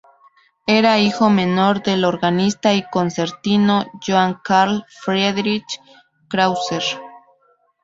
Era hijo menor del organista y concertino Johann Carl Friedrich Krause.